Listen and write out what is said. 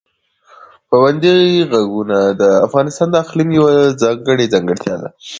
پابندي غرونه د افغانستان د اقلیم یوه ځانګړې ځانګړتیا ده.